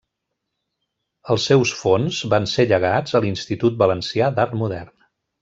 Els seus fons van ser llegats a l'Institut Valencià d'Art Modern.